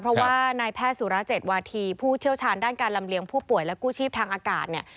เพราะว่านายแพทย์สุรเจ็ดวาธีผู้เชี่ยวชาญด้านการลำเลียงผู้ป่วยและกู้ชีพทางอากาศเนี่ย